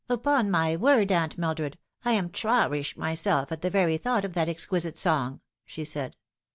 " Upon my word, Aunt Mildred, I am traurig myself at the very thought of that exquisite song," she said.